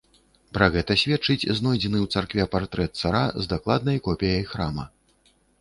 Пра гэта сведчыць знойдзены ў царкве партрэт цара з дакладнай копіяй храма.